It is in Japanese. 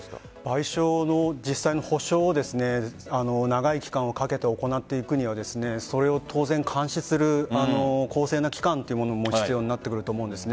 賠償の補償を長い期間をかけて行っていくにはそれを当然監視する公正な期間も必要になってくると思います。